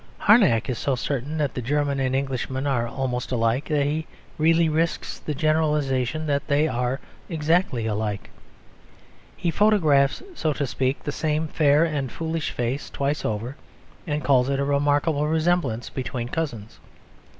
Harnack is so certain that the German and Englishman are almost alike, that he really risks the generalisation that they are exactly alike. He photographs, so to speak, the same fair and foolish face twice over; and calls it a remarkable resemblance between cousins.